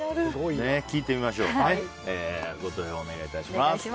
ご投票お願いいたします。